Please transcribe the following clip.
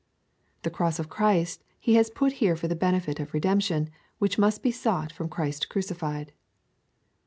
The cross of Christ he has put here for the benefit of redemption, which must be sought from Christ crucified.